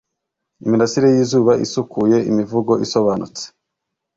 Imirasire yizuba isukuye imivugo isobanutse